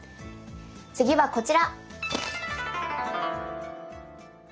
次はこちら。